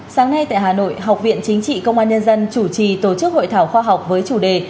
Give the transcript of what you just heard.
sáng nay tại hà nội học viện chính trị công an nhân dân chủ trì tổ chức hội thảo khoa học với chủ đề